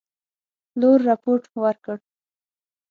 پلور رپوټ ورکړ.